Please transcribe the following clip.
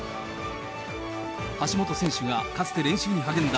橋本選手がかつて練習に励んだ